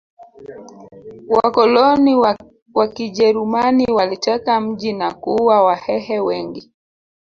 Wakoloni wakijerumani waliteka mji na kuua wahehe wengi